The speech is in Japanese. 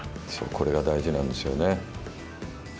これが大事なんですよね。